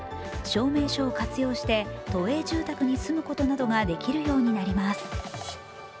証明書を活用して都営住宅に住むことなどができるようになります。